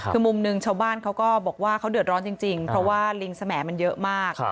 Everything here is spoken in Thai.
คือมุมหนึ่งชาวบ้านเขาก็บอกว่าเขาเดือดร้อนจริงเพราะว่าลิงสมมันเยอะมาก